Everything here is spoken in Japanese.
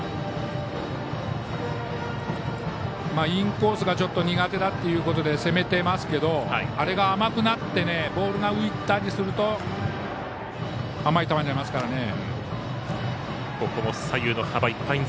インコースがちょっと苦手だということで攻めてますけどあれが甘くなってボールが浮いたりすると甘い球になりますから。